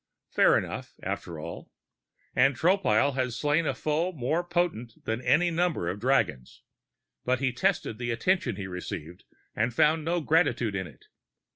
Fair enough, after all. And Tropile had slain a foe more potent than any number of dragons. But he tested the attention he received and found no gratitude in it.